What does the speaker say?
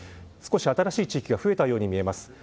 新しい地域が増えたように見えます。